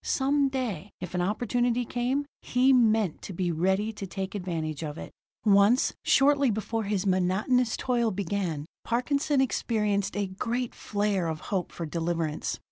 Some day, if an opportunity came, he meant to be ready to take advantage of it. Once, shortly after his monotonous toil began, Parkinson experienced a great flare of hope for deliverance.